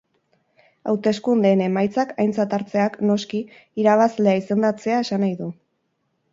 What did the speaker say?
Hauteskundeen emaitzak aintzat hartzeak, noski, irabazlea izendatzea esan nahi du.